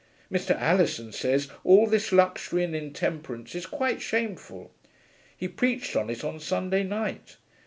Mr. Alison says all this luxury and intemperance is quite shameful. He preached on it on Sunday night.